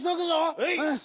はい！